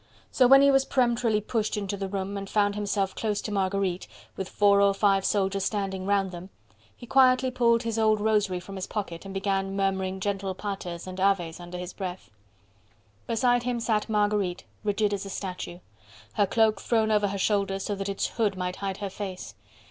So when he was peremptorily pushed into the room and found himself close to Marguerite, with four or five soldiers standing round them, he quietly pulled his old rosary from his pocket and began murmuring gentle "Paters" and "Aves" under his breath. Beside him sat Marguerite, rigid as a statue: her cloak thrown over her shoulders, so that its hood might hide her face.